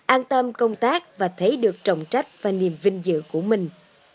an tâm công tác và thấy được trọng trách và niềm vinh dự của mình